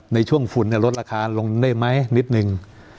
ในช่วงฝุ่นลดราคาลงได้ไหมนิดนึง